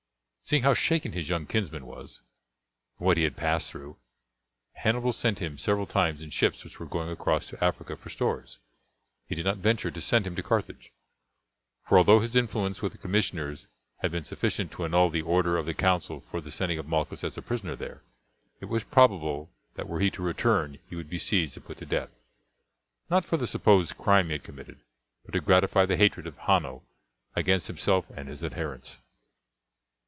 Seeing how shaken his young kinsmen was, and what he had passed through, Hannibal sent him several times in ships which were going across to Africa for stores. He did not venture to send him to Carthage; for although his influence with the commissioners had been sufficient to annul the order of the council for the sending of Malchus as a prisoner there, it was probable that were he to return he would be seized and put to death not for the supposed crime he had committed, but to gratify the hatred of Hanno against himself and his adherents.